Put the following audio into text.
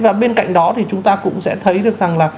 và bên cạnh đó thì chúng ta cũng sẽ thấy được rằng là